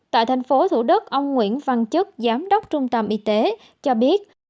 tại thành phố thủ đức ông nguyễn văn chức giám đốc trung tâm y tế cho biết